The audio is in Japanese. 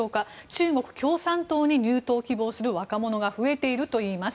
中国共産党に入党希望する若者が増えているといいます。